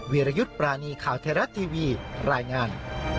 วิรยุทธ์ปรานีข่าวไทยรัฐทีวีรายงาน